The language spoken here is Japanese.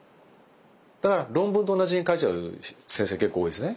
だから論文と同じに書いちゃう先生結構多いですね。